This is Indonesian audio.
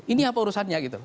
ini apa urusannya gitu